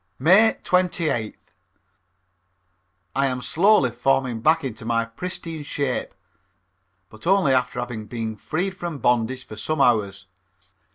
May 28th. I am slowly forming back into my pristine shape but only after having been freed from bondage for some hours.